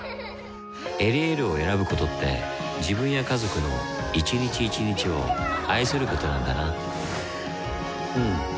「エリエール」を選ぶことって自分や家族の一日一日を愛することなんだなうん。